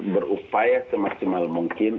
berupaya semaksimal mungkin